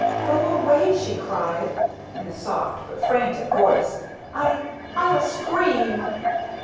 "Go away," she cried, in a soft but frantic voice. "I I'll scream!"